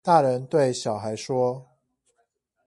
大人對小孩說